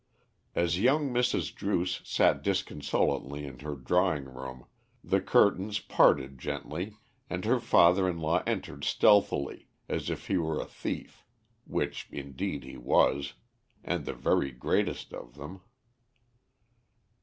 As young Mrs. Druce sat disconsolately in her drawing room, the curtains parted gently, and her father in law entered stealthily, as if he were a thief, which indeed he was, and the very greatest of them.